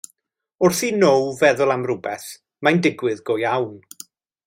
Wrth i Now feddwl am rywbeth, mae'n digwydd go iawn.